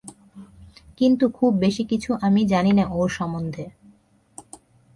কিন্তু খুব বেশিকিছু আমি জানিনে ওর সম্বন্ধে।